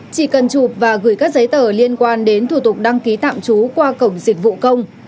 chỉ cần chụp và gửi các giấy tờ liên quan đến thủ tục đăng ký tạm trú qua cổng dịch vụ công